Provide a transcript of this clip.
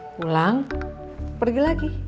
pulang pergi lagi